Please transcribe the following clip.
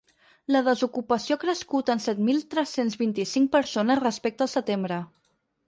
La desocupació ha crescut en set mil tres-cents vint-i-cinc persones respecte al setembre.